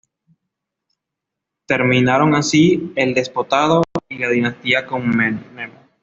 Terminaron así el Despotado y la dinastía Comneno.